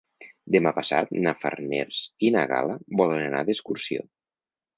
Demà passat na Farners i na Gal·la volen anar d'excursió.